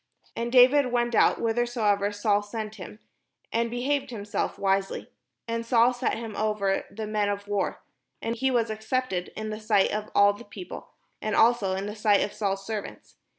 And David went out whithersoever Saul sent him, and behaved himself wisely : and Saul set him over the men of war, and he was accepted in the sight of all the peo ple, and also in the sight of Saul's servants.